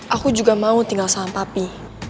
aku juga mau tinggal sama papi